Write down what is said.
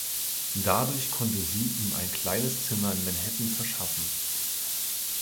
Dadurch konnte sie ihm ein kleines Zimmer in Manhattan verschaffen.